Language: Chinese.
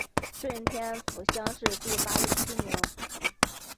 顺天府乡试第八十七名。